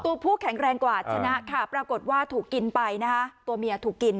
ตัวผู้แข็งแรงกว่าชนะค่ะปรากฏว่าถูกกินไปนะคะตัวเมียถูกกิน